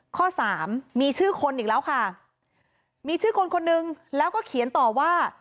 ข้อสามมีชื่อคนอีกแล้วค่ะมีชื่อคนคนหนึ่งแล้วก็เขียนต่อว่า